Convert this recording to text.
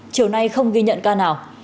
chiều nay không ghi nhận ca nào